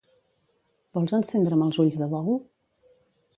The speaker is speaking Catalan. Vols encendre'm els ulls de bou?